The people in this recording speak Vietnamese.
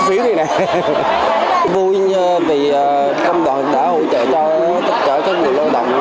vui vì công đoàn đã hỗ trợ cho tất cả các người lao động